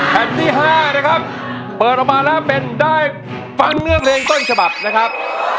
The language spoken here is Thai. แผ่นที่๕นะครับเปิดออกมาแล้วเป็นได้ฟังเนื้อเพลงต้นฉบับนะครับ